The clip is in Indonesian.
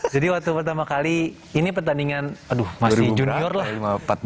jadi waktu pertama kali ini pertandingan aduh masih junior lah